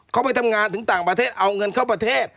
เขาไปทำงานถึงต่างประเทศเอาเงินเข้าประเทศ